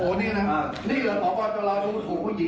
คุณสุดท้ายจากภาพนั้นประธานมองโทรศัพท์หรือมองอะไรคุณเอก